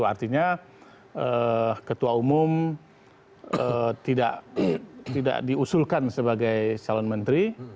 karena ketua umum tidak diusulkan sebagai calon menteri